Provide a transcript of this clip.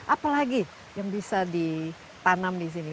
apalagi yang bisa ditanam di sini